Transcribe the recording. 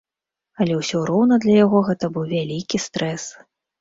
Але ўсё роўна для яго гэты быў вялікі стрэс.